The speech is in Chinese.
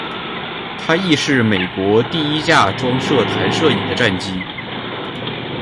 它亦是美国第一架装设弹射椅的战机。